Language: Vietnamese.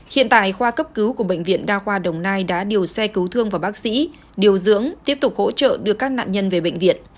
hiện tại khoa cấp cứu của bệnh viện đa khoa đồng nai đã điều xe cứu thương và bác sĩ điều dưỡng tiếp tục hỗ trợ đưa các nạn nhân về bệnh viện